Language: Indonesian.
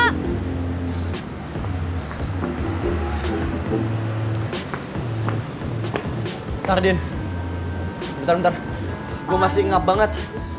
bentar din bentar bentar gue masih ingap banget